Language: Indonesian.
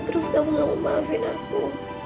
terus kamu gak mau maafin aku